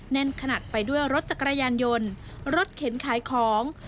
แน่นขนาดไปด้วยรถจักรยานยนต์รถเข็นขายของ